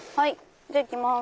じゃあ行きます！